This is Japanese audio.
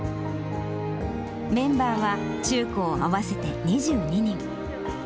メンバーは中高合わせて２２人。